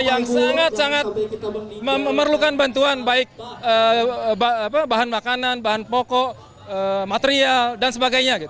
yang sangat sangat memerlukan bantuan baik bahan makanan bahan pokok material dan sebagainya